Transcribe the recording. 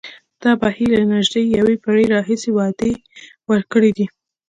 دا بهیر له نژدې یوه پېړۍ راهیسې وعدې ورکړې دي.